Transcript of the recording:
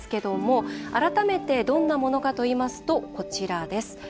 改めてどんなものかといいますとこちらです。